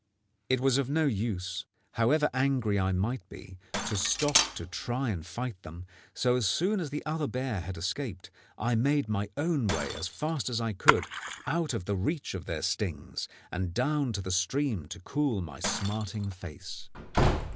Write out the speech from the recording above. It was of no use, however angry I might be, to stop to try and fight them; so as soon as the other bear had escaped I made my own way as fast as I could out of the reach of their stings, and down to the stream to cool my smarting face.